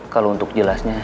kalau untuk jelasnya